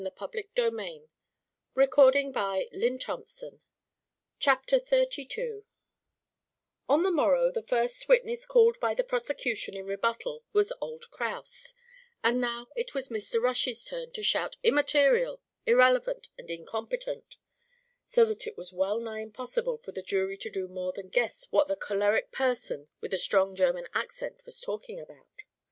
And what's passed between us is sacred. S'long." CHAPTER XXXII On the morrow the first witness called by the prosecution in rebuttal was old Kraus, and now it was Mr. Rush's turn to shout "Immaterial, Irrelevant and Incompetent," so that it was well nigh impossible for the jury to do more than guess what the choleric person with a strong German accent was talking about.